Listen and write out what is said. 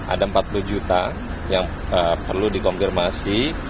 ada empat puluh juta yang perlu dikonfirmasi